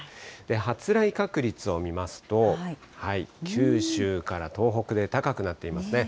発雷確率を見ますと、九州から東北で高くなっていますね。